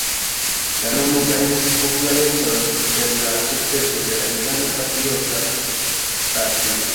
La nomo gajnis popularecon per la sukceso de la Irlanda Patriota Partio.